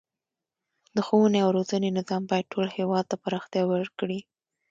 د ښوونې او روزنې نظام باید ټول هیواد ته پراختیا ورکړي.